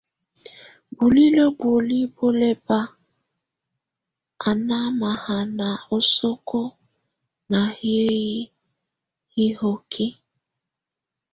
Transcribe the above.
Bulilǝ́ bùóli bɔ́ lɛ́ ba á ná maŋana osókó ná hiǝ́yi hihoki.